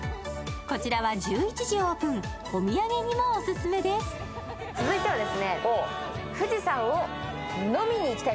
こちらは１１時オープン、お土産にもオススメです。